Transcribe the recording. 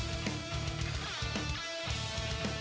ตัวนี้พยายามจะแหย่ดด้วยซ้ายวัดกระยับเข้ามาแล้วล้วงลงตัวครับ